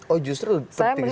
oh justru penting sekali